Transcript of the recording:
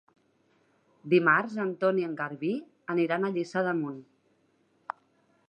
Dimarts en Ton i en Garbí aniran a Lliçà d'Amunt.